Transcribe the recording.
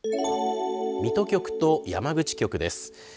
水戸局と山口局です。